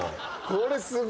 これすごい確率。